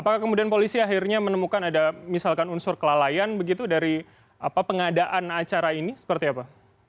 apakah kemudian polisi akhirnya menemukan ada misalkan unsur kelalaian begitu dari pengadaan acara ini seperti apa